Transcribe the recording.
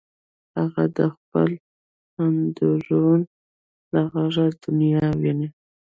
هغه د خپل اندرون له غږه دنیا ویني